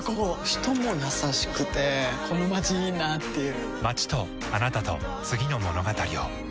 人も優しくてこのまちいいなぁっていう